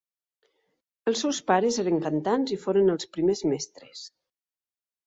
Els seus pares eren cantants i foren els primers mestres.